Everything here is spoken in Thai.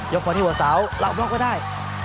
เดี๋ยวพอที่หัวสาวเราบล็อกไว้ได้